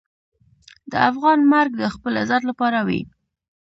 د افغان مرګ د خپل عزت لپاره وي.